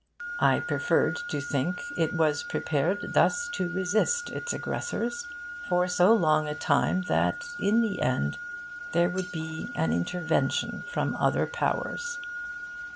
I preferred to think it was prepared thus to resist its aggressors for so long a time that in the end there would be an intervention from other powers.